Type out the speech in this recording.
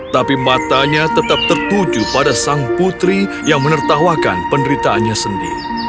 tapi matanya tetap tertuju pada sang putri yang menertawakan penderitaannya sendiri